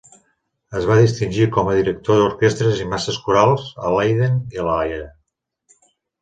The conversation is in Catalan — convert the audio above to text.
Es va distingir coma director d'orquestres i masses corals, a Leiden i La Haia.